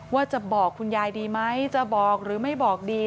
ว่าจะบอกคุณยายดีไหมจะบอกหรือไม่บอกดี